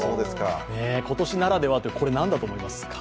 今年ならでは、これ何だと思いますか？